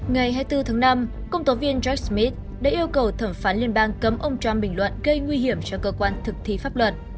ngày hai mươi bốn tháng năm công tố viên jack smith đã yêu cầu thẩm phán liên bang cấm ông trump bình luận gây nguy hiểm cho cơ quan thực thi pháp luật